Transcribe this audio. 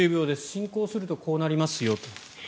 進行するとこうなりますよ。